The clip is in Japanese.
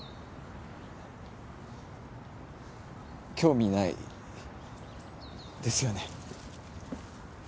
興味ないですよね。